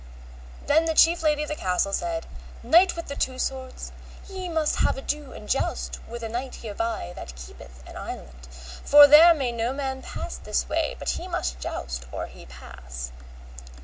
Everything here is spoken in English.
Then the chief lady of the castle said, Knight with the Two Swords, ye must have ado and joust with a knight hereby that keepeth an island, for there may no man pass this way but he must joust or he pass.